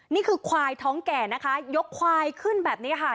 นี่คือควายท้องแก่นะคะยกควายขึ้นแบบนี้ค่ะ